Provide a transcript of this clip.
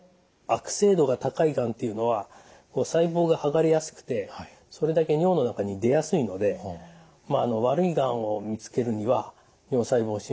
悪性度が高いがんっていうのは細胞が剥がれやすくてそれだけ尿の中に出やすいので悪いがんを見つけるには尿細胞診はかなり有力ですね。